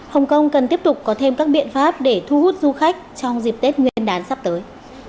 hồng kông cần tiếp tục có thêm các biện pháp để thu hút du khách trong dịp tết nguyên đán sắp tới